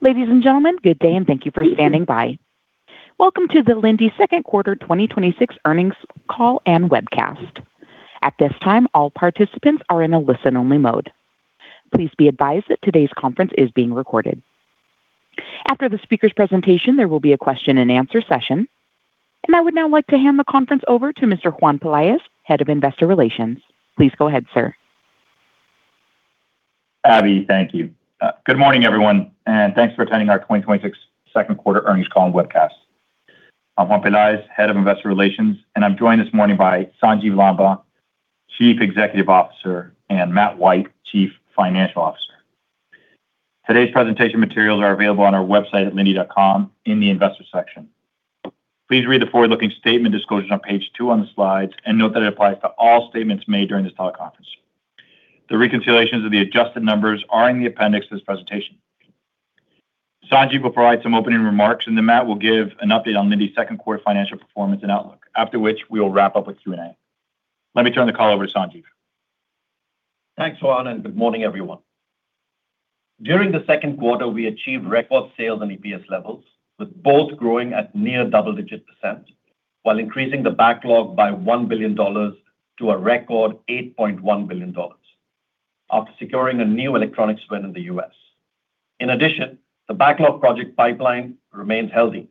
Ladies and gentlemen, good day, and thank you for standing by. Welcome to the Linde Second Quarter 2026 Earnings Call and Webcast. At this time, all participants are in a listen-only mode. Please be advised that today's conference is being recorded. After the speaker's presentation, there will be a question and answer session. I would now like to hand the conference over to Mr. Juan Pelaez, Head of Investor Relations. Please go ahead, sir. Abby, thank you. Good morning, everyone, and thanks for attending our 2026 second quarter earnings call and webcast. I'm Juan Pelaez, Head of Investor Relations, and I'm joined this morning by Sanjiv Lamba, Chief Executive Officer, and Matt White, Chief Financial Officer. Today's presentation materials are available on our website at linde.com in the investor section. Please read the forward-looking statement disclosure on page two on the slides and note that it applies to all statements made during this teleconference. The reconciliations of the adjusted numbers are in the appendix to this presentation. Sanjiv will provide some opening remarks. Matt will give an update on Linde's second quarter financial performance and outlook. After which, we will wrap up with Q&A. Let me turn the call over to Sanjiv. Thanks, Juan. Good morning, everyone. During the second quarter, we achieved record sales and EPS levels, with both growing at near double-digit % while increasing the backlog by $1 billion to a record $8.1 billion after securing a new electronics win in the U.S. In addition, the backlog project pipeline remains healthy,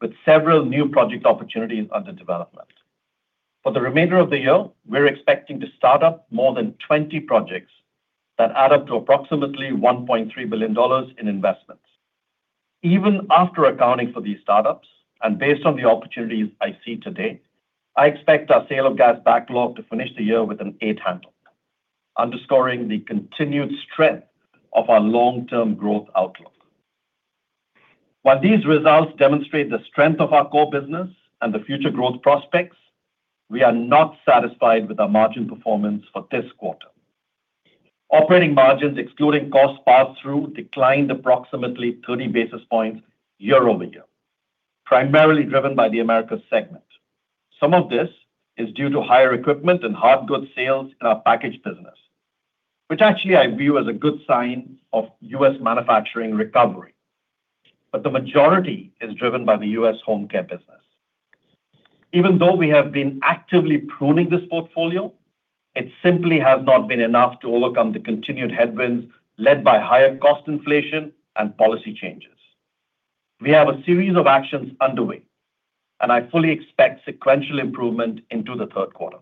with several new project opportunities under development. For the remainder of the year, we're expecting to start up more than 20 projects that add up to approximately $1.3 billion in investments. Even after accounting for these startups, based on the opportunities I see today, I expect our sale of gas backlog to finish the year with an eight handle, underscoring the continued strength of our long-term growth outlook. While these results demonstrate the strength of our core business and the future growth prospects, we are not satisfied with our margin performance for this quarter. Operating margins, excluding cost pass-through, declined approximately 30 basis points year-over-year, primarily driven by the Americas segment. Some of this is due to higher equipment and hard good sales in our packaged business, which actually I view as a good sign of U.S. manufacturing recovery. The majority is driven by the U.S. home care business. Even though we have been actively pruning this portfolio, it simply has not been enough to overcome the continued headwinds led by higher cost inflation and policy changes. We have a series of actions underway. I fully expect sequential improvement into the third quarter.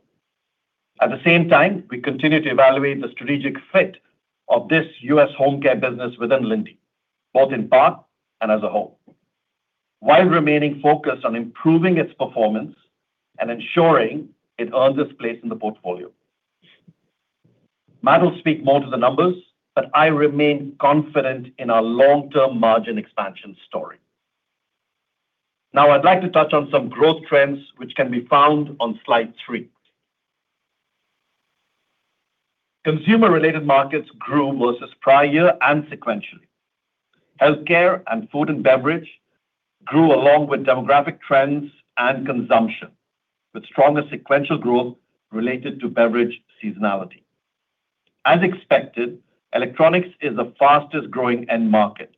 At the same time, we continue to evaluate the strategic fit of this U.S. home care business within Linde, both in part and as a whole, while remaining focused on improving its performance and ensuring it earns its place in the portfolio. Matt will speak more to the numbers, but I remain confident in our long-term margin expansion story. I'd like to touch on some growth trends, which can be found on slide three. Consumer-related markets grew versus prior year and sequentially. Healthcare and food and beverage grew along with demographic trends and consumption, with stronger sequential growth related to beverage seasonality. As expected, electronics is the fastest-growing end market,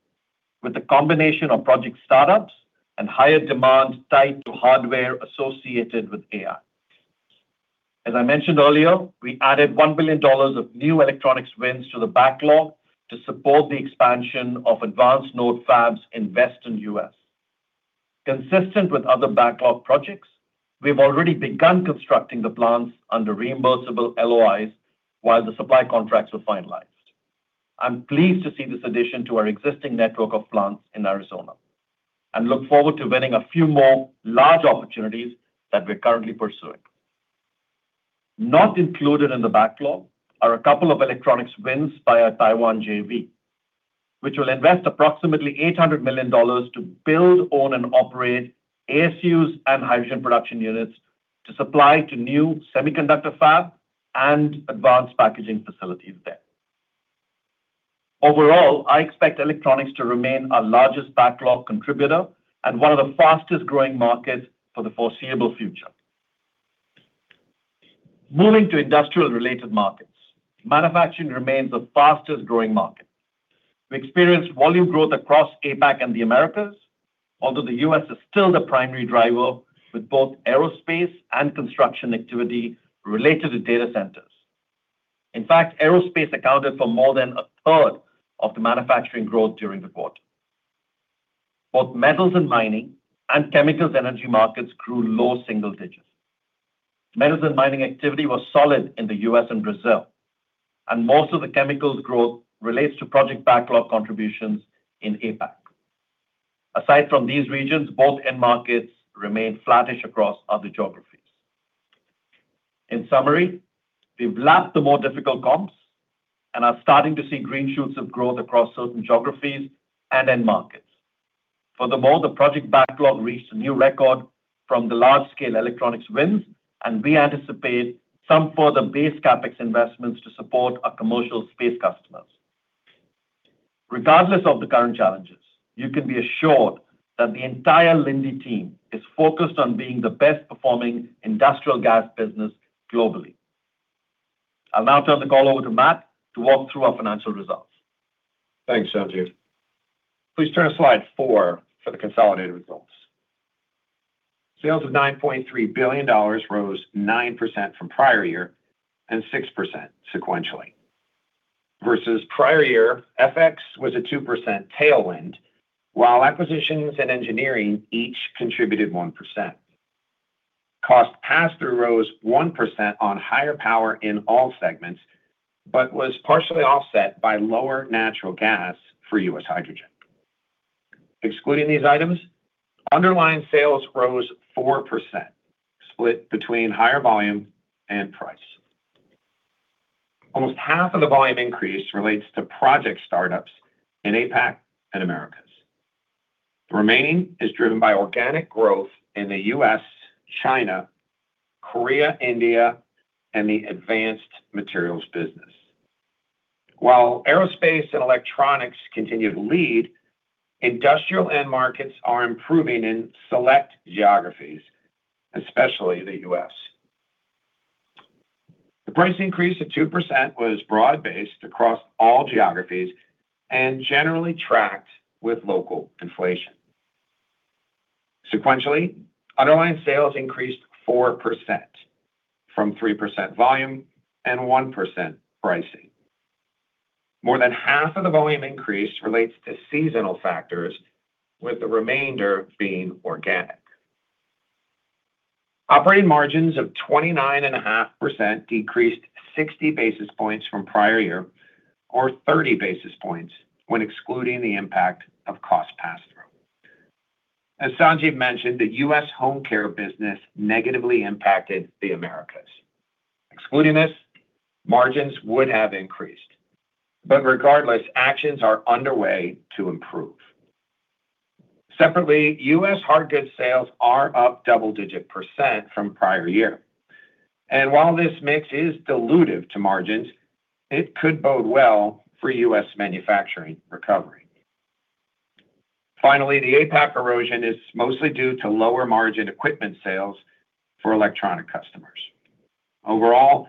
with the combination of project startups and higher demand tied to hardware associated with AI. As I mentioned earlier, we added $1 billion of new electronics wins to the backlog to support the expansion of advanced node fabs invest in U.S. Consistent with other backlog projects, we've already begun constructing the plants under reimbursable LOIs while the supply contracts were finalized. I'm pleased to see this addition to our existing network of plants in Arizona and look forward to winning a few more large opportunities that we're currently pursuing. Not included in the backlog are a couple of electronics wins by our Taiwan JV, which will invest approximately $800 million to build, own, and operate ASUs and hydrogen production units to supply to new semiconductor fab and advanced packaging facilities there. Overall, I expect electronics to remain our largest backlog contributor and one of the fastest-growing markets for the foreseeable future. Moving to industrial-related markets, manufacturing remains the fastest-growing market. We experienced volume growth across APAC and the Americas, although the U.S. is still the primary driver, with both aerospace and construction activity related to data centers. In fact, aerospace accounted for more than a third of the manufacturing growth during the quarter. Both metals and mining and chemicals energy markets grew low single-digits. Metals and mining activity was solid in the U.S. and Brazil, and most of the chemicals growth relates to project backlog contributions in APAC. Aside from these regions, both end markets remain flattish across other geographies. In summary, we've lapped the more difficult comps and are starting to see green shoots of growth across certain geographies and end markets. Furthermore, the project backlog reached a new record from the large-scale electronics wins, and we anticipate some further base CapEx investments to support our commercial space customers. Regardless of the current challenges, you can be assured that the entire Linde team is focused on being the best-performing industrial gas business globally. I'll now turn the call over to Matt to walk through our financial results. Thanks, Sanjiv. Please turn to slide four for the consolidated results. Sales of $9.3 billion rose 9% from prior year and 6% sequentially. Versus prior year, FX was a 2% tailwind, while acquisitions and engineering each contributed 1%. Cost pass-through rose 1% on higher power in all segments, but was partially offset by lower natural gas for U.S. Hydrogen. Excluding these items, underlying sales rose 4%, split between higher volume and price. Almost half of the volume increase relates to project startups in APAC and Americas. The remaining is driven by organic growth in the U.S., China, Korea, India, and the advanced materials business. While aerospace and electronics continue to lead, industrial end markets are improving in select geographies, especially the U.S. The price increase of 2% was broad-based across all geographies and generally tracked with local inflation. Sequentially, underlying sales increased 4%, from 3% volume and 1% pricing. More than half of the volume increase relates to seasonal factors, with the remainder being organic. Operating margins of 29.5% decreased 60 basis points from prior year, or 30 basis points when excluding the impact of cost pass-through. As Sanjiv mentioned, the U.S. home care business negatively impacted the Americas. Excluding this, margins would have increased. Regardless, actions are underway to improve. Separately, U.S. hard goods sales are up double-digit % from prior year. While this mix is dilutive to margins, it could bode well for U.S. manufacturing recovery. Finally, the APAC erosion is mostly due to lower margin equipment sales for electronic customers. Overall,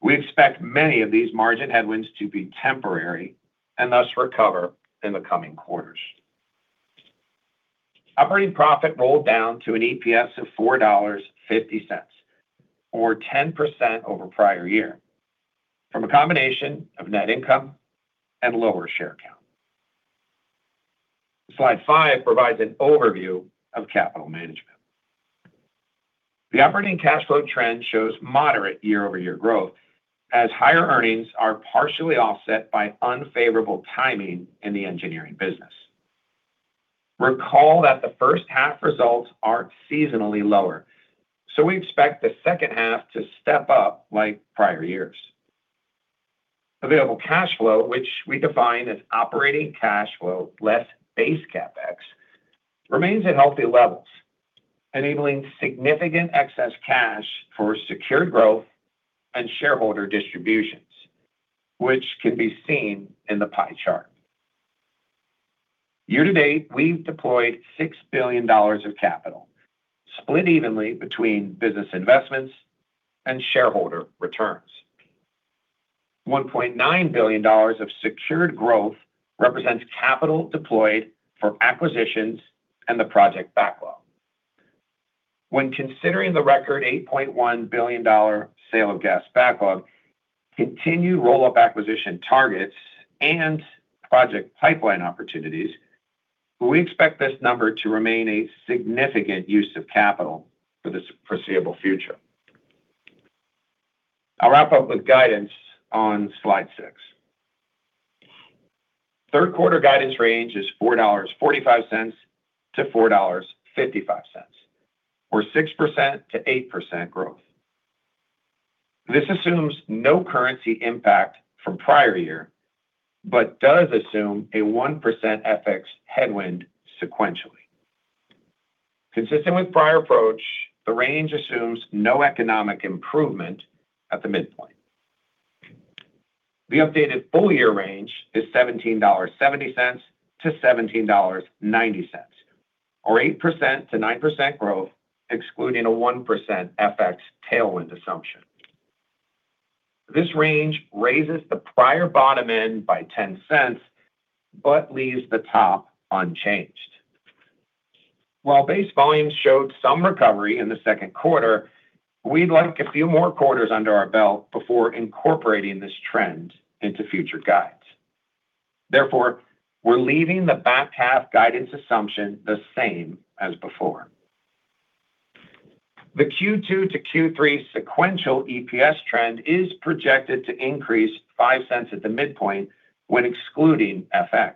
we expect many of these margin headwinds to be temporary and thus recover in the coming quarters. Operating profit rolled down to an EPS of $4.50, or 10% over prior year from a combination of net income and lower share count. Slide five provides an overview of capital management. The operating cash flow trend shows moderate year-over-year growth as higher earnings are partially offset by unfavorable timing in the engineering business. Recall that the first half results are seasonally lower. We expect the second half to step up like prior years. Available cash flow, which we define as operating cash flow less base CapEx, remains at healthy levels, enabling significant excess cash for secured growth and shareholder distributions, which can be seen in the pie chart. Year to date, we've deployed $6 billion of capital, split evenly between business investments and shareholder returns. $1.9 billion of secured growth represents capital deployed for acquisitions and the project backlog. When considering the record $8.1 billion sale of gas backlog, continued roll-up acquisition targets, and project pipeline opportunities, we expect this number to remain a significant use of capital for the foreseeable future. I'll wrap up with guidance on slide six. Third quarter guidance range is $4.45-$4.55, or 6%-8% growth. This assumes no currency impact from prior year, but does assume a 1% FX headwind sequentially. Consistent with prior approach, the range assumes no economic improvement at the midpoint. The updated full year range is $17.70-$17.90, or 8%-9% growth, excluding a 1% FX tailwind assumption. This range raises the prior bottom end by $0.10 but leaves the top unchanged. While base volumes showed some recovery in the second quarter, we'd like a few more quarters under our belt before incorporating this trend into future guides. Therefore, we're leaving the back half guidance assumption the same as before. The Q2 to Q3 sequential EPS trend is projected to increase $0.05 at the midpoint when excluding FX,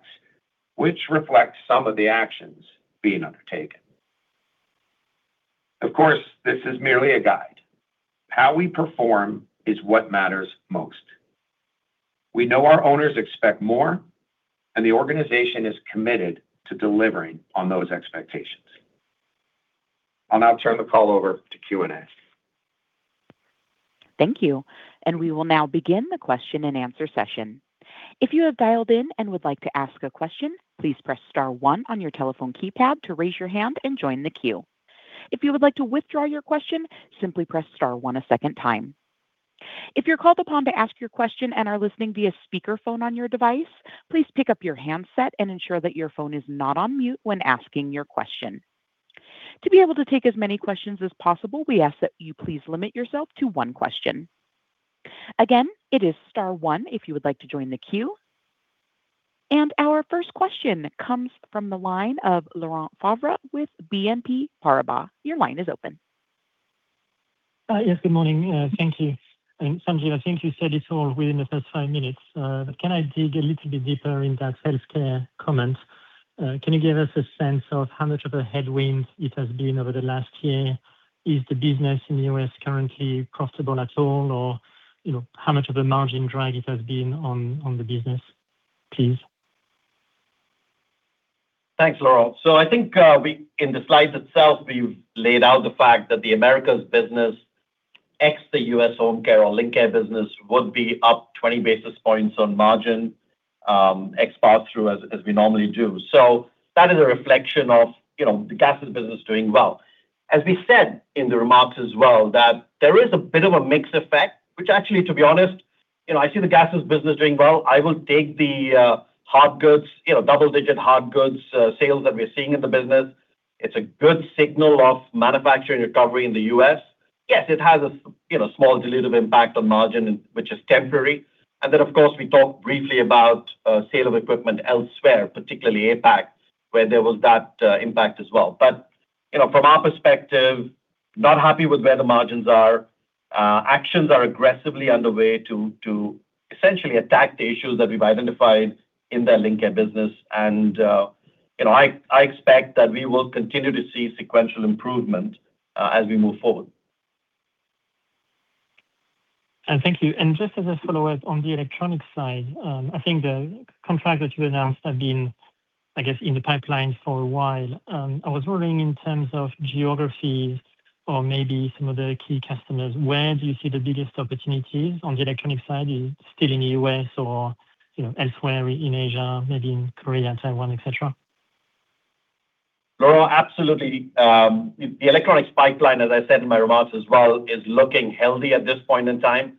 which reflects some of the actions being undertaken. Of course, this is merely a guide. How we perform is what matters most. We know our owners expect more. The organization is committed to delivering on those expectations. I'll now turn the call over to Q&A. We will now begin the question and answer session. If you have dialed in and would like to ask a question, please press star one on your telephone keypad to raise your hand and join the queue. If you would like to withdraw your question, simply press star one a second time. If you're called upon to ask your question and are listening via speakerphone on your device, please pick up your handset and ensure that your phone is not on mute when asking your question. To be able to take as many questions as possible, we ask that you please limit yourself to one question. Again, it is star one if you would like to join the queue. Our first question comes from the line of Laurent Favre with BNP Paribas. Your line is open. Yes, good morning. Thank you. Sanjiv, I think you said it all within the first five minutes. Can I dig a little bit deeper in that healthcare comment? Can you give us a sense of how much of a headwind it has been over the last year? Is the business in the U.S. currently profitable at all, or how much of a margin drag it has been on the business, please? Thanks, Laurent. I think in the slides itself, we've laid out the fact that the Americas business, ex the U.S. home care or Lincare business would be up 20 basis points on margin, ex pass-through as we normally do. That is a reflection of the gases business doing well. As we said in the remarks as well, that there is a bit of a mix effect, which actually, to be honest, I see the gases business doing well. I will take the double-digit hard goods sales that we're seeing in the business. It's a good signal of manufacturing recovery in the U.S. Yes, it has a small dilutive impact on margin, which is temporary. Then, of course, we talked briefly about sale of equipment elsewhere, particularly APAC, where there was that impact as well. From our perspective, not happy with where the margins are. Actions are aggressively underway to essentially attack the issues that we've identified in the Linde business. I expect that we will continue to see sequential improvement as we move forward. Thank you. Just as a follow-up on the electronic side, I think the contract that you announced had been, I guess, in the pipeline for a while. I was wondering in terms of geographies or maybe some of the key customers, where do you see the biggest opportunities on the electronic side? Is it still in the U.S. or elsewhere in Asia, maybe in Korea, Taiwan, et cetera? Laurent, absolutely. The electronics pipeline, as I said in my remarks as well, is looking healthy at this point in time.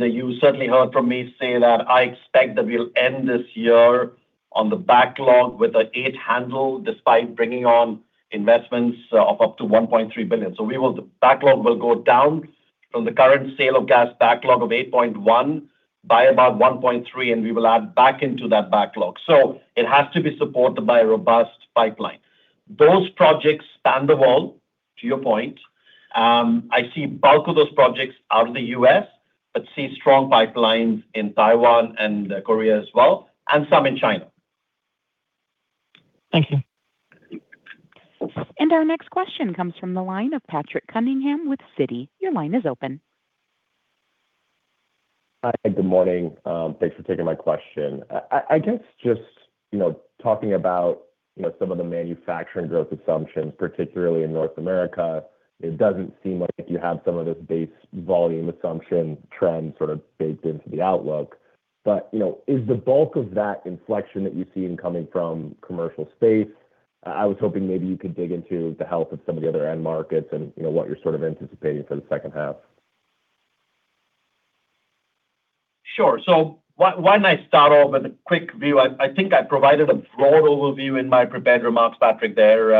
You certainly heard from me say that I expect that we'll end this year on the backlog with an eight handle despite bringing on investments of up to $1.3 billion. The backlog will go down from the current sale of gas backlog of $8.1 billion by about $1.3 billion, and we will add back into that backlog. It has to be supported by a robust pipeline. Those projects stand tall, to your point. I see bulk of those projects out of the U.S., but see strong pipelines in Taiwan and Korea as well, and some in China. Thank you. Our next question comes from the line of Patrick Cunningham with Citi. Your line is open. Hi, good morning. Thanks for taking my question. I guess just talking about some of the manufacturing growth assumptions, particularly in North America, it doesn't seem like you have some of those base volume assumption trends sort of baked into the outlook. Is the bulk of that inflection that you're seeing coming from commercial space? I was hoping maybe you could dig into the health of some of the other end markets and what you're sort of anticipating for the second half. Sure. Why don't I start off with a quick view? I think I provided a broad overview in my prepared remarks, Patrick, there.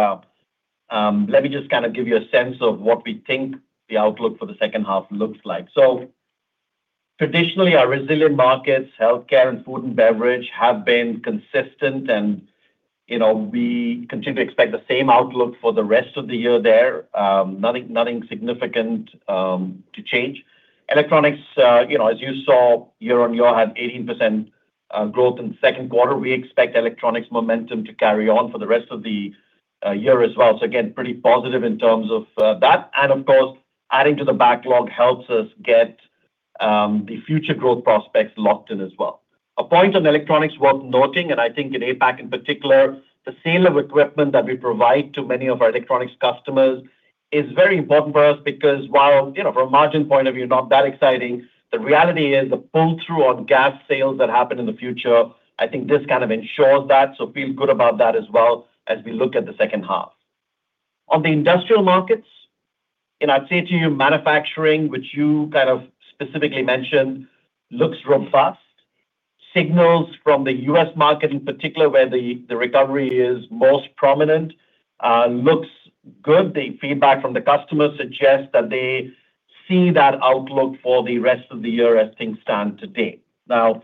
Let me just kind of give you a sense of what we think the outlook for the second half looks like. Traditionally, our resilient markets, healthcare and food and beverage, have been consistent, and we continue to expect the same outlook for the rest of the year there. Nothing significant to change. Electronics, as you saw year-over-year, had 18% growth in the second quarter. We expect electronics momentum to carry on for the rest of the year as well. Again, pretty positive in terms of that. Of course, adding to the backlog helps us get the future growth prospects locked in as well. A point on electronics worth noting, I think in APAC in particular, the sale of equipment that we provide to many of our electronics customers is very important for us because while from a margin point of view, not that exciting, the reality is the pull-through on gas sales that happen in the future, I think this kind of ensures that. Feel good about that as well as we look at the second half. On the industrial markets, I'd say to you manufacturing, which you kind of specifically mentioned, looks robust. Signals from the U.S. market in particular, where the recovery is most prominent looks good. The feedback from the customers suggests that they see that outlook for the rest of the year as things stand today. Now,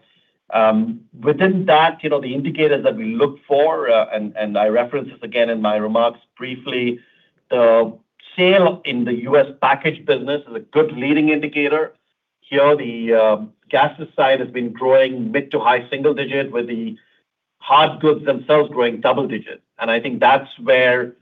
within that, the indicators that we look for, I reference this again in my remarks briefly, the sale in the U.S. package business is a good leading indicator. Here, the gases side has been growing mid to high single digit, with the hard goods themselves growing double digit. I think that's where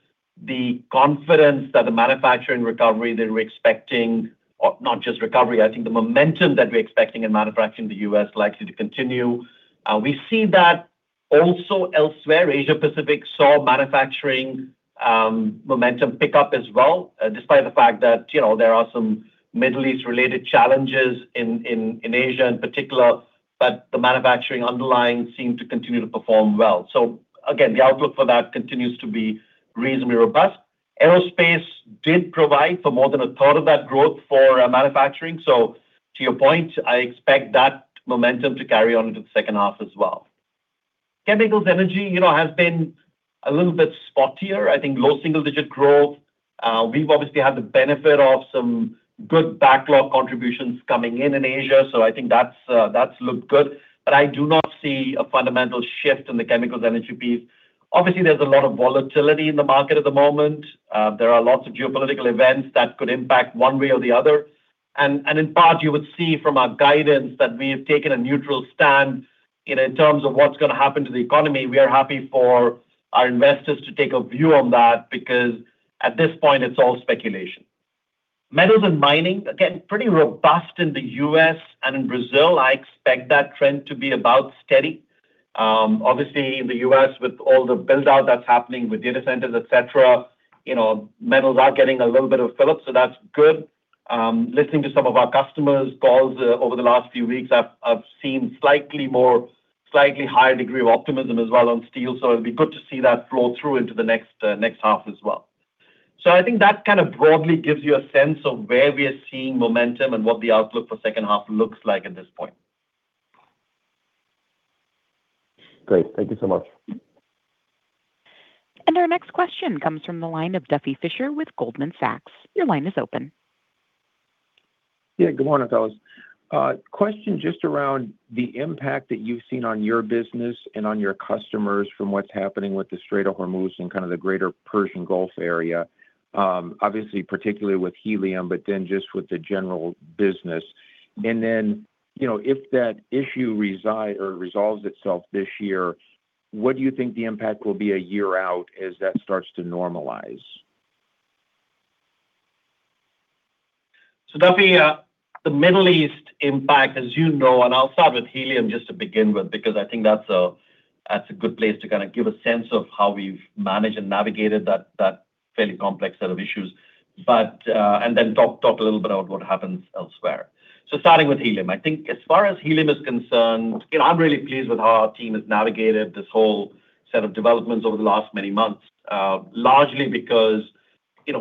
the confidence that the manufacturing recovery that we're expecting, or not just recovery, I think the momentum that we're expecting in manufacturing in the U.S. likely to continue. We see that also elsewhere. Asia Pacific saw manufacturing momentum pick up as well. Despite the fact that there are some Middle East related challenges in Asia in particular, the manufacturing underlying seemed to continue to perform well. Again, the outlook for that continues to be reasonably robust. Aerospace did provide for more than a third of that growth for manufacturing. To your point, I expect that momentum to carry on into the second half as well. Chemicals energy has been a little bit spottier. I think low single-digit growth. We've obviously had the benefit of some good backlog contributions coming in in Asia, so I think that's looked good. I do not see a fundamental shift in the chemicals energy piece. Obviously, there's a lot of volatility in the market at the moment. There are lots of geopolitical events that could impact one way or the other. In part, you would see from our guidance that we've taken a neutral stand in terms of what's going to happen to the economy. We are happy for our investors to take a view on that, because at this point, it's all speculation. Metals and mining, again, pretty robust in the U.S. and in Brazil. I expect that trend to be about steady. Obviously, in the U.S., with all the build-out that's happening with data centers, et cetera, metals are getting a little bit of fill-up, so that's good. Listening to some of our customers' calls over the last few weeks, I've seen slightly higher degree of optimism as well on steel, so it'll be good to see that flow through into the next half as well. I think that kind of broadly gives you a sense of where we are seeing momentum and what the outlook for second half looks like at this point. Great. Thank you so much. Our next question comes from the line of Duffy Fischer with Goldman Sachs. Your line is open. Good morning, folks. A question just around the impact that you've seen on your business and on your customers from what's happening with the Strait of Hormuz and kind of the greater Persian Gulf area. Obviously, particularly with helium, just with the general business. If that issue resolves itself this year, what do you think the impact will be a year out as that starts to normalize? Duffy, the Middle East impact, as you know, and I'll start with helium just to begin with, because I think that's a good place to kind of give a sense of how we've managed and navigated that fairly complex set of issues, and then talk a little bit about what happens elsewhere. Starting with helium, I think as far as helium is concerned, I'm really pleased with how our team has navigated this whole set of developments over the last many months. Largely because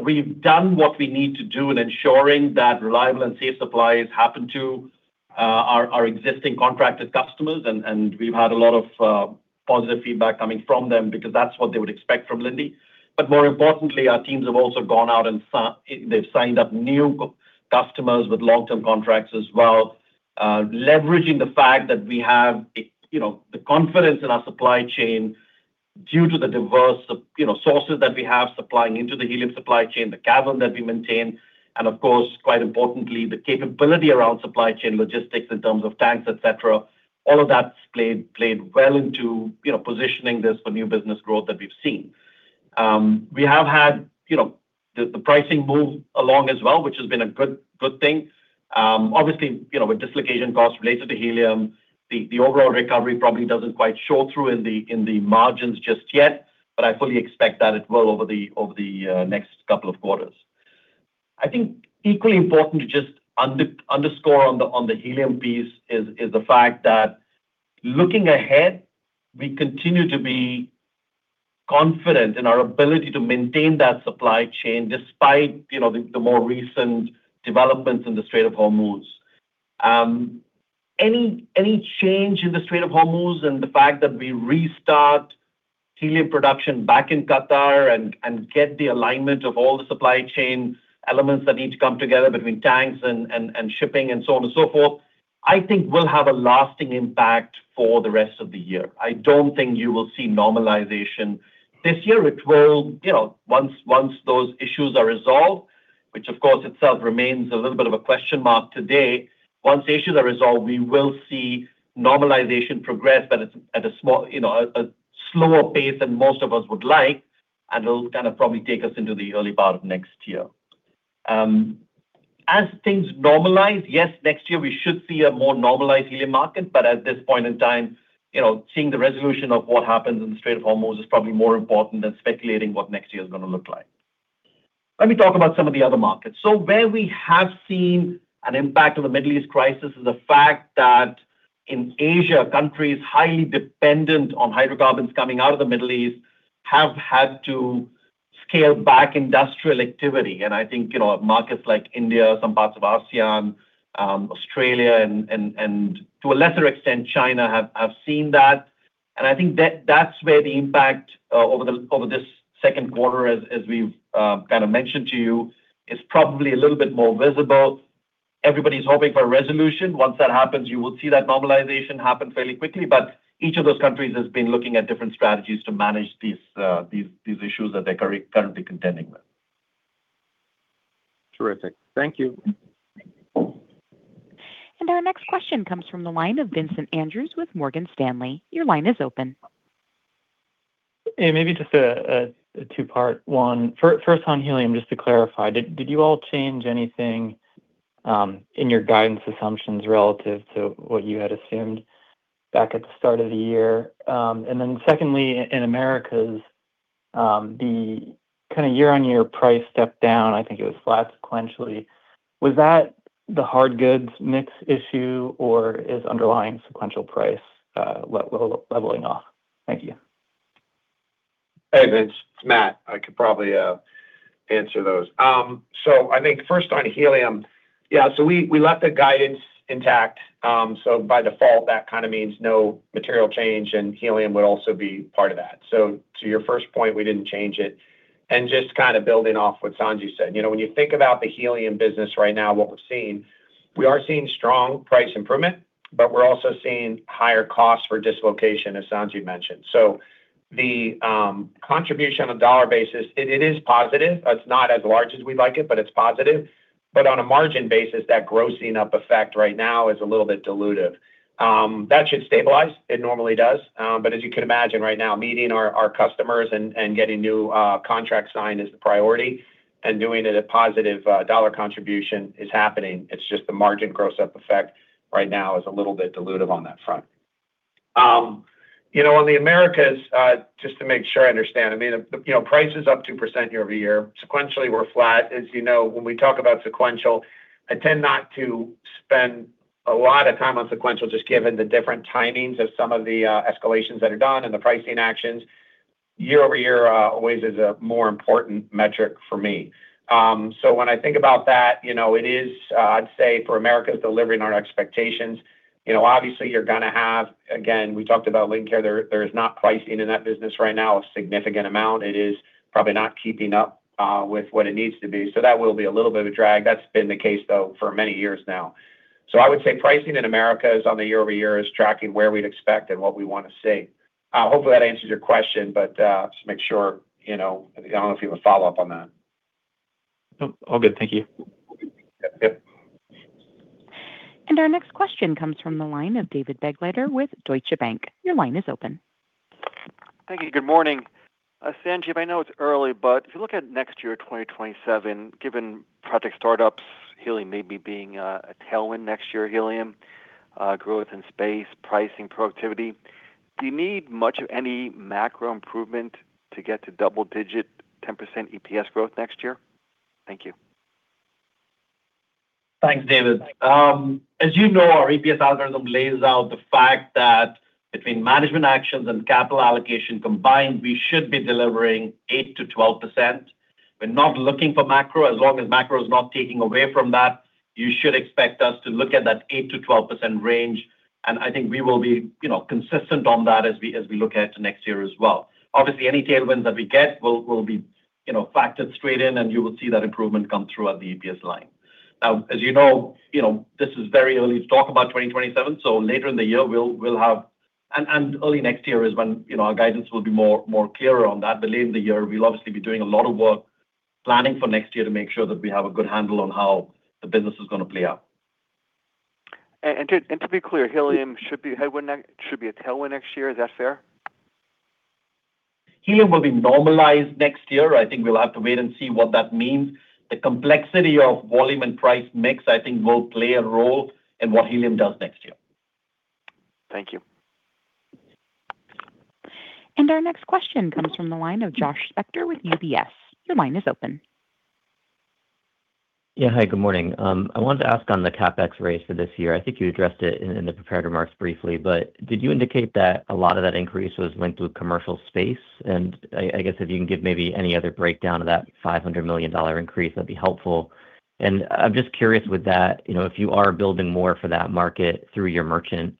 we've done what we need to do in ensuring that reliable and safe supply has happened to our existing contracted customers, and we've had a lot of positive feedback coming from them because that's what they would expect from Linde. More importantly, our teams have also gone out and they've signed up new customers with long-term contracts as well. Leveraging the fact that we have the confidence in our supply chain due to the diverse sources that we have supplying into the helium supply chain, the cavern that we maintain, and of course, quite importantly, the capability around supply chain logistics in terms of tanks, et cetera. All of that's played well into positioning this for new business growth that we've seen. We have had the pricing move along as well, which has been a good thing. Obviously, with dislocation costs related to helium, the overall recovery probably doesn't quite show through in the margins just yet, but I fully expect that it will over the next couple of quarters. I think equally important to just underscore on the helium piece is the fact that looking ahead, we continue to be confident in our ability to maintain that supply chain, despite the more recent developments in the Strait of Hormuz. Any change in the Strait of Hormuz and the fact that we restart helium production back in Qatar and get the alignment of all the supply chain elements that need to come together between tanks and shipping and so on and so forth, I think will have a lasting impact for the rest of the year. I don't think you will see normalization this year. Once those issues are resolved, which of course itself remains a little bit of a question mark today. Once the issues are resolved, we will see normalization progress, but at a slower pace than most of us would like, and it'll kind of probably take us into the early part of next year. As things normalize, yes, next year we should see a more normalized helium market, but at this point in time, seeing the resolution of what happens in the Strait of Hormuz is probably more important than speculating what next year is going to look like. Let me talk about some of the other markets. Where we have seen an impact of the Middle East crisis is the fact that in Asia, countries highly dependent on hydrocarbons coming out of the Middle East have had to scale back industrial activity, and I think markets like India, some parts of ASEAN, Australia, and to a lesser extent, China have seen that. I think that's where the impact over this second quarter, as we've kind of mentioned to you, is probably a little bit more visible. Everybody's hoping for a resolution. Once that happens, you will see that normalization happen fairly quickly. Each of those countries has been looking at different strategies to manage these issues that they're currently contending with. Terrific. Thank you. Our next question comes from the line of Vincent Andrews with Morgan Stanley. Your line is open. Yeah, maybe just a two-part one. First on helium, just to clarify, did you all change anything in your guidance assumptions relative to what you had assumed back at the start of the year? Secondly, in Americas The kind of year-on-year price step down, I think it was flat sequentially. Was that the hard goods mix issue or is underlying sequential price leveling off? Thank you. Hey, Vince. It's Matt. I could probably answer those. I think first on helium. Yeah, we left the guidance intact, by default, that kind of means no material change, helium would also be part of that. To your first point, we didn't change it, just building off what Sanjiv said. When you think about the helium business right now, what we're seeing, we are seeing strong price improvement, we're also seeing higher costs for dislocation, as Sanjiv mentioned. The contribution on a dollar basis, it is positive. It's not as large as we'd like it's positive. On a margin basis, that grossing up effect right now is a little bit dilutive. That should stabilize. It normally does. As you can imagine right now, meeting our customers getting new contracts signed is the priority, doing it at positive dollar contribution is happening. It's just the margin gross up effect right now is a little bit dilutive on that front. On the Americas, just to make sure I understand. Price is up 2% year-over-year. Sequentially, we're flat. As you know, when we talk about sequential, I tend not to spend a lot of time on sequential, just given the different timings of some of the escalations that are done the pricing actions. Year-over-year always is a more important metric for me. When I think about that, it is, I'd say for Americas, delivering on expectations. Obviously, you're going to have, again, we talked about Lincare. There is not pricing in that business right now, a significant amount. It is probably not keeping up with what it needs to be. That will be a little bit of a drag. That's been the case, though, for many years now. I would say pricing in Americas on the year-over-year is tracking where we'd expect and what we want to see. Hopefully, that answers your question, but just make sure, I don't know if you have a follow-up on that. Nope. All good. Thank you. Yep. Our next question comes from the line of David Begleiter with Deutsche Bank. Your line is open. Thank you. Good morning. Sanjiv, I know it's early, but if you look at next year, 2027, given project startups, helium maybe being a tailwind next year, helium growth in space, pricing productivity. Do you need much of any macro improvement to get to double-digit 10% EPS growth next year? Thank you. Thanks, David. As you know, our EPS algorithm lays out the fact that between management actions and capital allocation combined, we should be delivering 8% to 12%. We're not looking for macro. As long as macro is not taking away from that, you should expect us to look at that 8% to 12% range, and I think we will be consistent on that as we look ahead to next year as well. Obviously, any tailwinds that we get will be factored straight in, and you will see that improvement come through at the EPS line. Now, as you know, this is very early to talk about 2027. Later in the year, and early next year is when our guidance will be more clear on that. Late in the year, we'll obviously be doing a lot of work planning for next year to make sure that we have a good handle on how the business is going to play out. To be clear, helium should be a tailwind next year. Is that fair? Helium will be normalized next year. I think we'll have to wait and see what that means. The complexity of volume and price mix, I think, will play a role in what helium does next year. Thank you. Our next question comes from the line of Josh Spector with UBS. Your line is open. Yeah. Hi, good morning. I wanted to ask on the CapEx raise for this year. I think you addressed it in the prepared remarks briefly, but did you indicate that a lot of that increase went to commercial space? I guess if you can give maybe any other breakdown of that $500 million increase, that'd be helpful. I'm just curious with that, if you are building more for that market through your merchant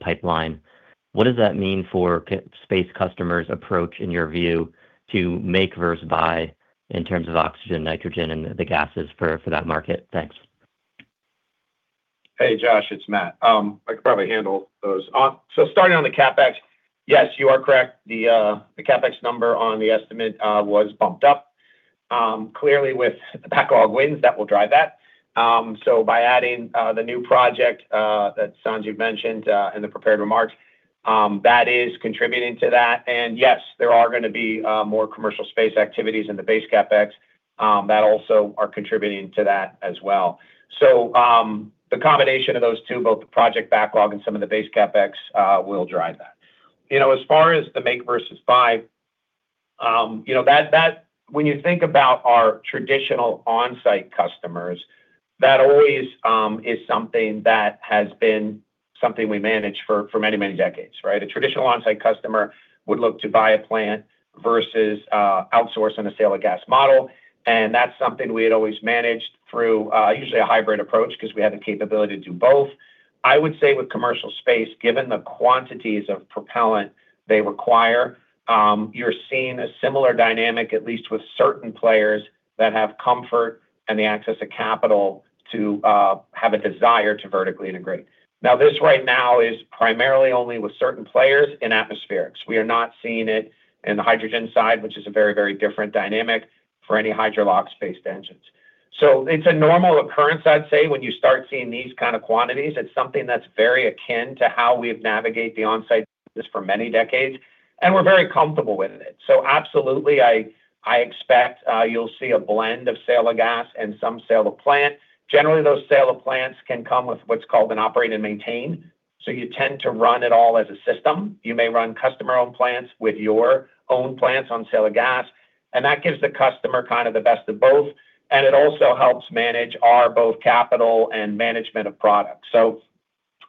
pipeline, what does that mean for space customers approach, in your view, to make versus buy in terms of oxygen, nitrogen, and the gases for that market? Thanks. Hey, Josh, it's Matt. I could probably handle those. Starting on the CapEx, yes, you are correct. The CapEx number on the estimate was bumped up. Clearly, with backlog wins, that will drive that. By adding the new project that Sanjiv mentioned in the prepared remarks, that is contributing to that. Yes, there are going to be more commercial space activities in the base CapEx that also are contributing to that as well. The combination of those two, both the project backlog and some of the base CapEx, will drive that. As far as the make versus buy, when you think about our traditional on-site customers, that always is something that has been something we managed for many decades. Right? A traditional on-site customer would look to buy a plant versus outsource on a sale of gas model, and that's something we had always managed through usually a hybrid approach because we have the capability to do both. I would say with commercial space, given the quantities of propellant they require, you're seeing a similar dynamic, at least with certain players that have comfort and the access to capital to have a desire to vertically integrate. This right now is primarily only with certain players in atmospherics. We are not seeing it in the hydrogen side, which is a very different dynamic for any Hydrolox-based engines. It's a normal occurrence, I'd say, when you start seeing these kind of quantities. It's something that's very akin to how we've navigate the on-site business for many decades, and we're very comfortable with it. Absolutely, I expect you'll see a blend of sale of gas and some sale of plant. Generally, those sale of plants can come with what's called an operate and maintain. You tend to run it all as a system. You may run customer-owned plants with your own plants on sale of gas, and that gives the customer the best of both, and it also helps manage our both capital and management of product.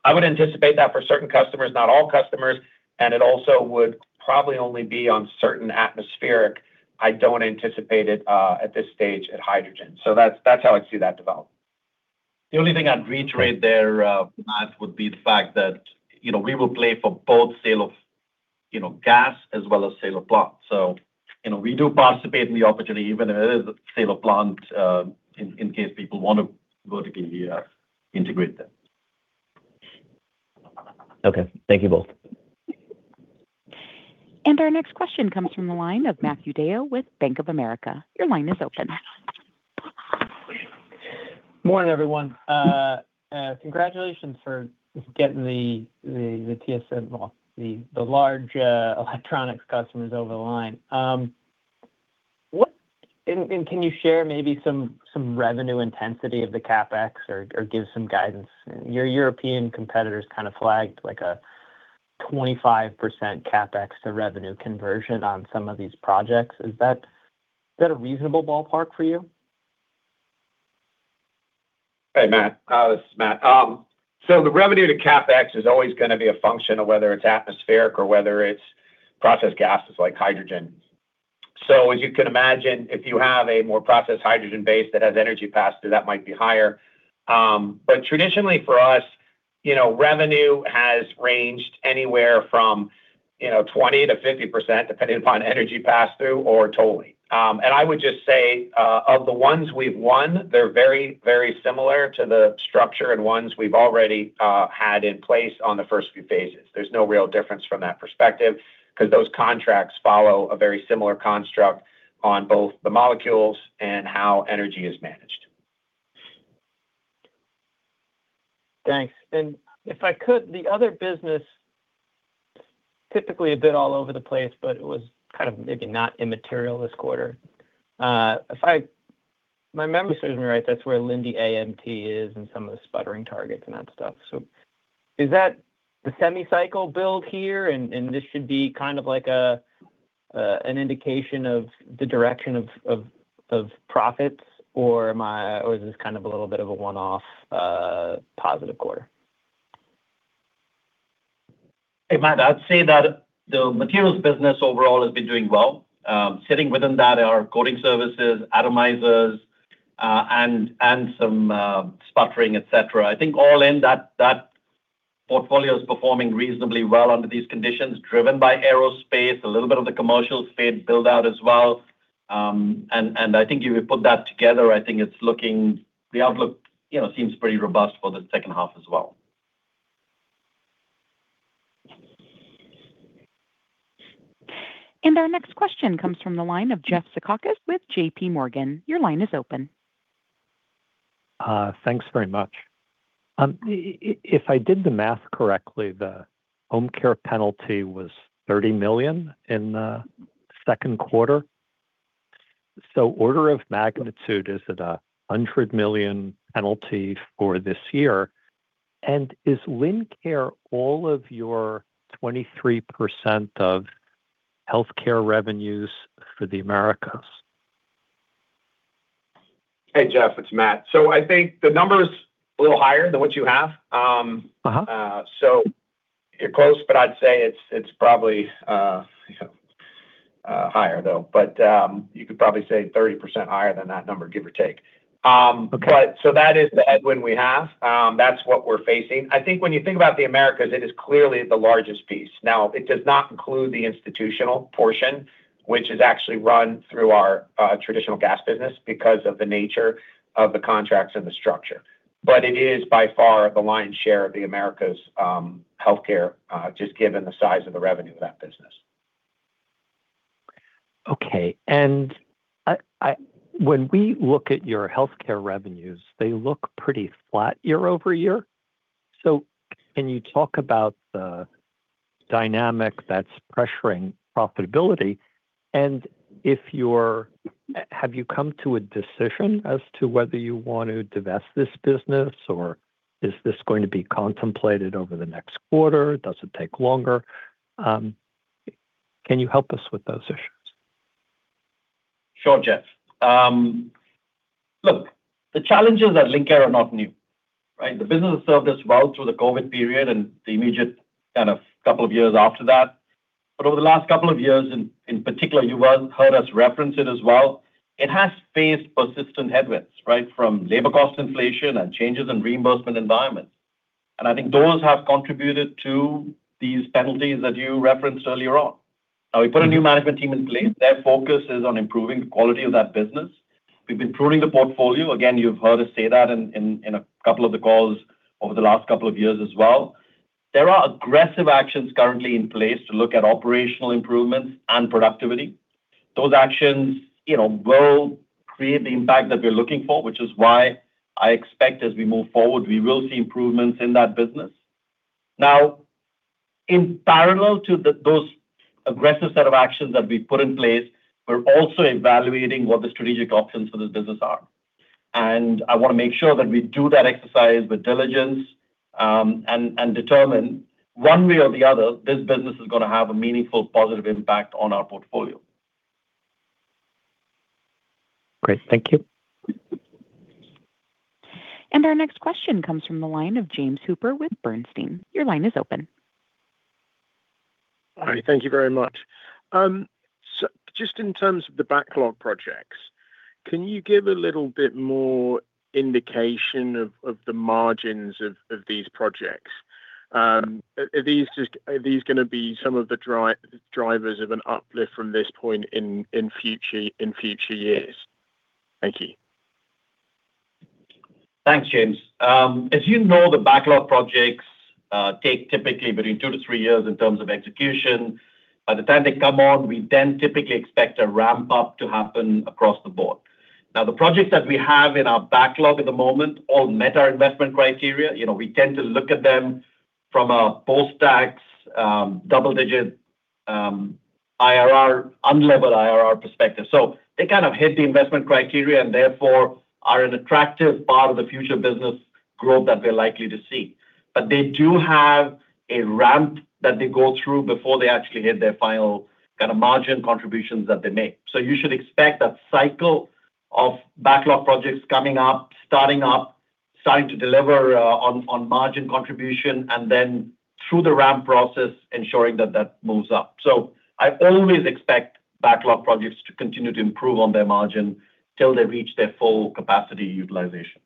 I would anticipate that for certain customers, not all customers, and it also would probably only be on certain atmospheric. I don't anticipate it at this stage at hydrogen. That's how I see that develop. The only thing I'd reiterate there, Matt, would be the fact that we will play for both sale of gas as well as sale of plant. We do participate in the opportunity, even if it is a sale of plant, in case people want to vertically integrate that. Okay. Thank you both. Our next question comes from the line of Matthew DeYoe with Bank of America. Your line is open. Morning, everyone. Congratulations for getting the large electronics customers over the line. Can you share maybe some revenue intensity of the CapEx or give some guidance? Your European competitors kind of flagged like a 25% CapEx to revenue conversion on some of these projects. Is that a reasonable ballpark for you? Hey, Matt. This is Matt. The revenue to CapEx is always going to be a function of whether it's atmospheric or whether it's process gases like hydrogen. As you can imagine, if you have a more process hydrogen base that has energy pass-through, that might be higher. Traditionally for us, revenue has ranged anywhere from 20%-50%, depending upon energy pass-through or totally. I would just say, of the ones we've won, they're very similar to the structure and ones we've already had in place on the first few phases. There's no real difference from that perspective, because those contracts follow a very similar construct on both the molecules and how energy is managed. Thanks. If I could, the other business, typically a bit all over the place, but it was kind of maybe not immaterial this quarter. If my memory serves me right, that's where Linde AMT is and some of the sputtering targets and that stuff. Is that the semi cycle build here, and this should be kind of like an indication of the direction of profits? Or is this kind of a little bit of a one-off positive quarter? Hey, Matt, I'd say that the materials business overall has been doing well. Sitting within that are coating services, atomizers, and some sputtering, et cetera. I think all in, that portfolio is performing reasonably well under these conditions, driven by aerospace, a little bit of the commercial space build-out as well. I think you would put that together, I think the outlook seems pretty robust for the second half as well. Our next question comes from the line of Jeff Zekauskas with JPMorgan. Your line is open. Thanks very much. If I did the math correctly, the home care penalty was $30 million in the second quarter. Order of magnitude, is it a $100 million penalty for this year? Is Lincare all of your 23% of healthcare revenues for the Americas? Hey, Jeff, it's Matt. I think the number's a little higher than what you have. You're close, but I'd say it's probably higher, though. You could probably say 30% higher than that number, give or take. Okay. That is the headwind we have. That's what we're facing. I think when you think about the Americas, it is clearly the largest piece. It does not include the institutional portion, which is actually run through our traditional gas business because of the nature of the contracts and the structure. It is by far the lion's share of the Americas healthcare, just given the size of the revenue of that business. Okay. When we look at your healthcare revenues, they look pretty flat year-over-year. Can you talk about the dynamic that's pressuring profitability? Have you come to a decision as to whether you want to divest this business, or is this going to be contemplated over the next quarter? Does it take longer? Can you help us with those issues? Sure, Jeff. Look, the challenges at Lincare are not new, right? The business has served us well through the COVID period and the immediate couple of years after that. Over the last couple of years, in particular, you heard us reference it as well, it has faced persistent headwinds, right? From labor cost inflation and changes in reimbursement environments. I think those have contributed to these penalties that you referenced earlier on. We put a new management team in place. Their focus is on improving the quality of that business. We've been pruning the portfolio. Again, you've heard us say that in a couple of the calls over the last couple of years as well. There are aggressive actions currently in place to look at operational improvements and productivity. Those actions will create the impact that we're looking for, which is why I expect as we move forward, we will see improvements in that business. In parallel to those aggressive set of actions that we put in place, we're also evaluating what the strategic options for this business are. I want to make sure that we do that exercise with diligence, and determine one way or the other, this business is going to have a meaningful positive impact on our portfolio. Great. Thank you. Our next question comes from the line of James Hooper with Bernstein. Your line is open. Hi. Thank you very much. Just in terms of the backlog projects, can you give a little bit more indication of the margins of these projects? Are these going to be some of the drivers of an uplift from this point in future years? Thank you. Thanks, James. As you know, the backlog projects take typically between two to three years in terms of execution. By the time they come on, we then typically expect a ramp-up to happen across the board. The projects that we have in our backlog at the moment all met our investment criteria. We tend to look at them from a post-tax, double-digit, unlevered IRR perspective. They kind of hit the investment criteria and therefore are an attractive part of the future business growth that we're likely to see. They do have a ramp that they go through before they actually hit their final kind of margin contributions that they make. You should expect that cycle of backlog projects coming up, starting up, starting to deliver on margin contribution, and then through the ramp process, ensuring that that moves up. I always expect backlog projects to continue to improve on their margin till they reach their full capacity utilization.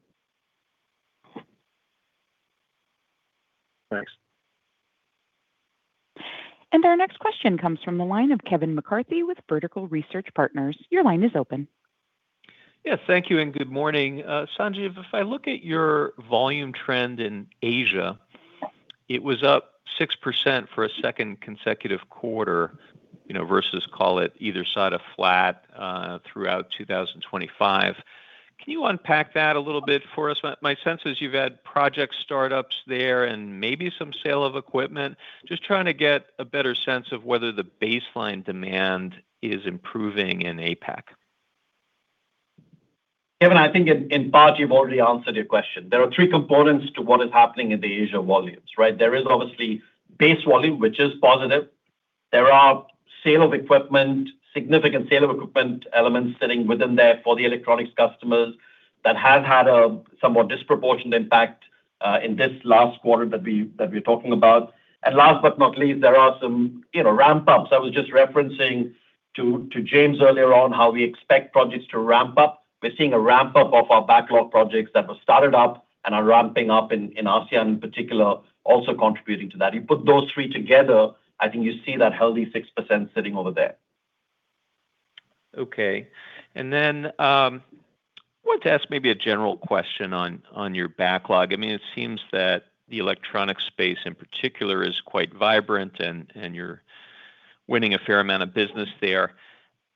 Thanks. Our next question comes from the line of Kevin McCarthy with Vertical Research Partners. Your line is open. Yeah. Thank you and good morning. Sanjiv, if I look at your volume trend in Asia, it was up 6% for a second consecutive quarter, versus call it either side of flat, throughout 2025. Can you unpack that a little bit for us? My sense is you've had project startups there and maybe some sale of equipment. Just trying to get a better sense of whether the baseline demand is improving in APAC. Kevin, I think in part you've already answered your question. There are three components to what is happening in the Asia volumes, right? There is obviously base volume, which is positive. There are significant sale of equipment elements sitting within there for the electronics customers that have had a somewhat disproportionate impact, in this last quarter that we're talking about. Last but not least, there are some ramp-ups. I was just referencing to James earlier on how we expect projects to ramp up. We're seeing a ramp-up of our backlog projects that were started up and are ramping up in ASEAN in particular, also contributing to that. You put those three together, I think you see that healthy 6% sitting over there. Okay. Then, I wanted to ask maybe a general question on your backlog. It seems that the electronic space in particular is quite vibrant and you're winning a fair amount of business there.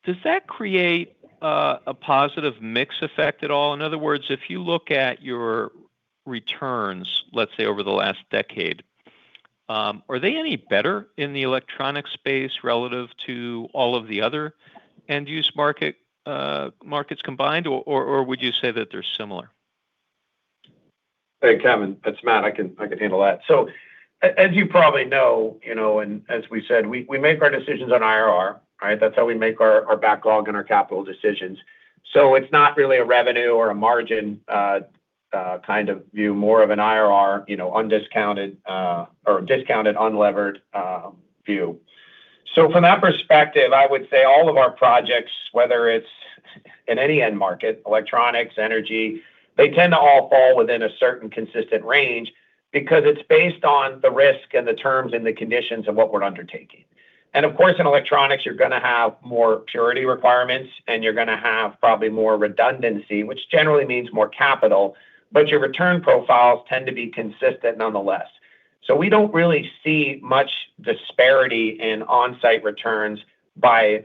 Does that create a positive mix effect at all? In other words, if you look at your returns, let's say over the last decade, are they any better in the electronic space relative to all of the other end use markets combined, or would you say that they're similar? Hey, Kevin. It's Matt. I can handle that. As you probably know, and as we said, we make our decisions on IRR, right? That's how we make our backlog and our capital decisions. It's not really a revenue or a margin kind of view, more of an IRR, undiscounted, or discounted unlevered view. From that perspective, I would say all of our projects, whether it's in any end market, electronics, energy, they tend to all fall within a certain consistent range because it's based on the risk and the terms and the conditions of what we're undertaking. Of course, in electronics, you're going to have more purity requirements and you're going to have probably more redundancy, which generally means more capital, but your return profiles tend to be consistent nonetheless. We don't really see much disparity in on-site returns by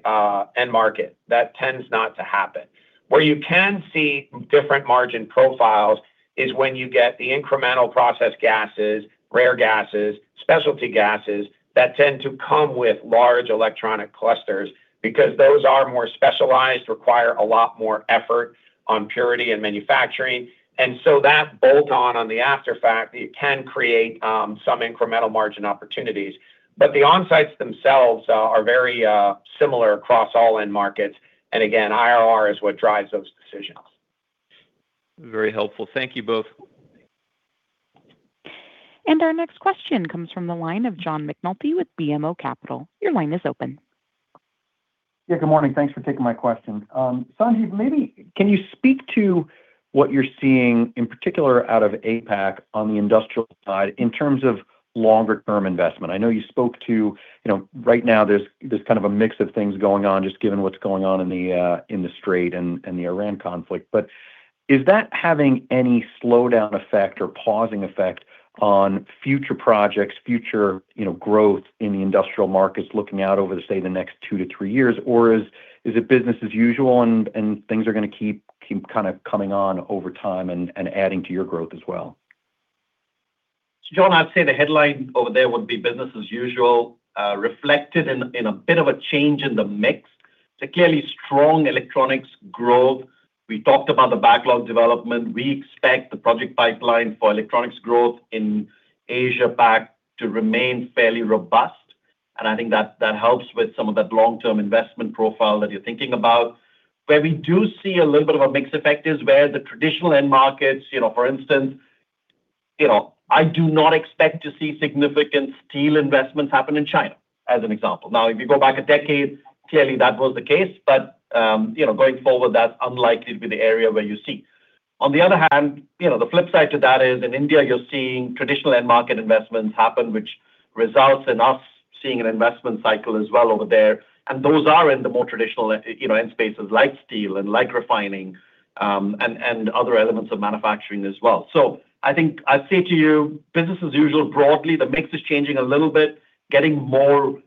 end market. That tends not to happen. Where you can see different margin profiles is when you get the incremental process gases, rare gases, specialty gases that tend to come with large electronic clusters because those are more specialized, require a lot more effort on purity and manufacturing. That bolt-on the after fact, it can create some incremental margin opportunities. The on-sites themselves are very similar across all end markets, and again, IRR is what drives those decisions. Very helpful. Thank you both. Our next question comes from the line of John McNulty with BMO Capital. Your line is open. Yeah, good morning. Thanks for taking my question. Sanjiv, maybe can you speak to what you're seeing in particular out of APAC on the industrial side in terms of longer term investment? I know you spoke to right now there's kind of a mix of things going on just given what's going on in the Strait and the Iran conflict. Is that having any slowdown effect or pausing effect on future projects, future growth in the industrial markets looking out over, say, the next two to three years, or is it business as usual and things are going to keep kind of coming on over time and adding to your growth as well? John, I'd say the headline over there would be business as usual, reflected in a bit of a change in the mix. Clearly strong electronics growth. We talked about the backlog development. We expect the project pipeline for electronics growth in Asia Pac to remain fairly robust, and I think that helps with some of that long-term investment profile that you're thinking about. Where we do see a little bit of a mix effect is where the traditional end markets, for instance, I do not expect to see significant steel investments happen in China, as an example. Now, if you go back a decade, clearly that was the case, but going forward, that's unlikely to be the area where you see. On the other hand, the flip side to that is in India you're seeing traditional end market investments happen, which results in us seeing an investment cycle as well over there. Those are in the more traditional end spaces like steel and like refining, and other elements of manufacturing as well. I think I'd say to you business as usual broadly. The mix is changing a little bit, getting more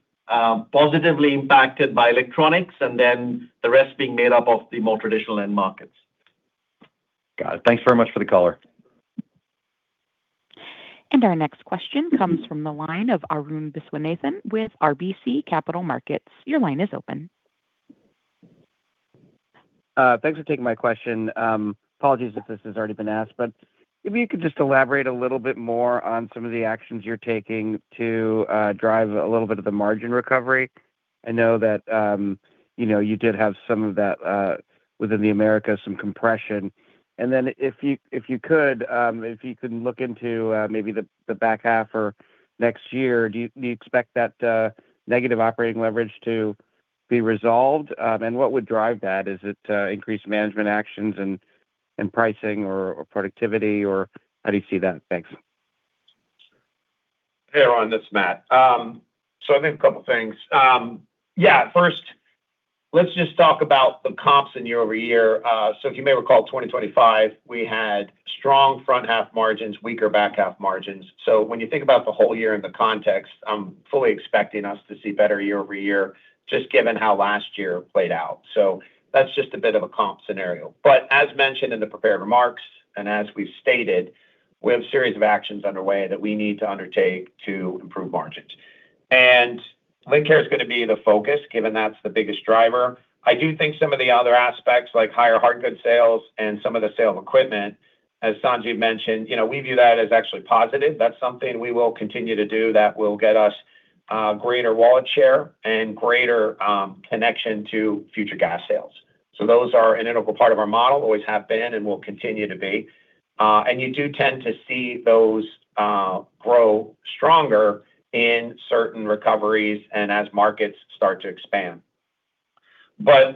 positively impacted by electronics and then the rest being made up of the more traditional end markets. Got it. Thanks very much for the color. Our next question comes from the line of Arun Viswanathan with RBC Capital Markets. Your line is open. Thanks for taking my question. Apologies if this has already been asked, but if you could just elaborate a little of the margin recovery. I know that you did have some of that within the Americas, some compression. Then if you could look into maybe the back half or next year, do you expect that negative operating leverage to be resolved? What would drive that? Is it increased management actions in pricing or productivity, or how do you see that? Thanks. Hey, Arun. This is Matt. I think a couple things. First, let's just talk about the comps in year-over-year. If you may recall, 2025, we had strong front half margins, weaker back half margins. When you think about the whole year in the context, I'm fully expecting us to see better year-over-year, just given how last year played out. That's just a bit of a comp scenario. As mentioned in the prepared remarks, and as we've stated, we have a series of actions underway that we need to undertake to improve margins. Lincare is going to be the focus, given that's the biggest driver. I do think some of the other aspects, like higher hard good sales and some of the sale of equipment, as Sanjiv mentioned, we view that as actually positive. That's something we will continue to do that will get us greater wallet share and greater connection to future gas sales. Those are an integral part of our model, always have been and will continue to be. You do tend to see those grow stronger in certain recoveries and as markets start to expand.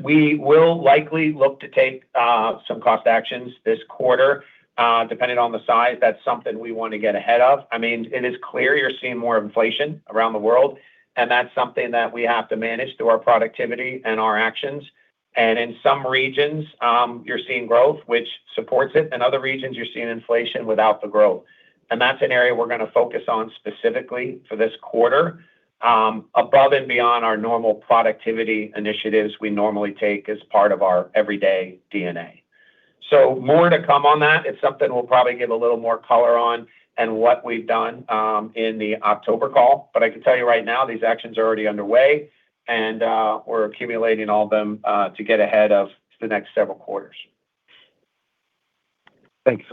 We will likely look to take some cost actions this quarter. Depending on the size, that's something we want to get ahead of. It is clear you're seeing more inflation around the world, and that's something that we have to manage through our productivity and our actions. In some regions, you're seeing growth, which supports it. In other regions, you're seeing inflation without the growth. That's an area we're going to focus on specifically for this quarter, above and beyond our normal productivity initiatives we normally take as part of our everyday DNA. More to come on that. It's something we'll probably give a little more color on in what we've done in the October call. I can tell you right now, these actions are already underway, and we're accumulating all of them to get ahead of the next several quarters. Thanks.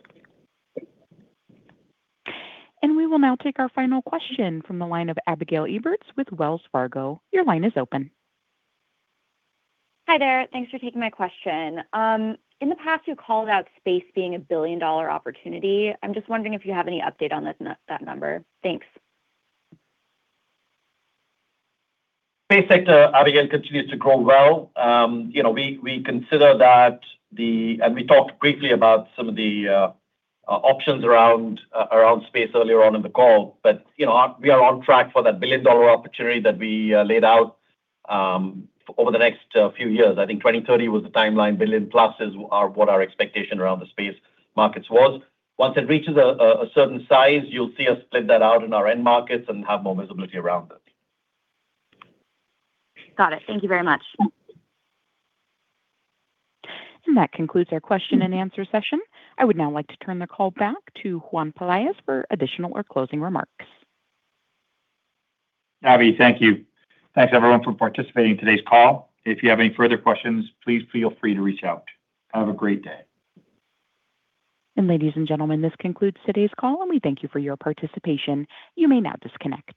We will now take our final question from the line of Abigail Eberts with Wells Fargo. Your line is open. Hi there. Thanks for taking my question. In the past, you called out space being a billion-dollar opportunity. I'm just wondering if you have any update on that number. Thanks. Space sector, Abigail, continues to grow well. We consider that we talked briefly about some of the options around space earlier on in the call. We are on track for that billion-dollar opportunity that we laid out over the next few years. I think 2030 was the timeline. Billion-plus is what our expectation around the space markets was. Once it reaches a certain size, you'll see us split that out in our end markets and have more visibility around it. Got it. Thank you very much. That concludes our question and answer session. I would now like to turn the call back to Juan Pelaez for additional or closing remarks. Abby, thank you. Thanks, everyone, for participating in today's call. If you have any further questions, please feel free to reach out. Have a great day. Ladies and gentlemen, this concludes today's call, and we thank you for your participation. You may now disconnect.